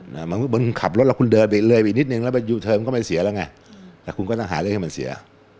เหมือนขับรถคุณเดินไปอีกเลี่ยวอีกนิดนึงแล้วเทอมมันก็ไม่เสียแล้วอย่างใหงแต่คุณก็ต้องหาอีกเรื่องให้มันเสีย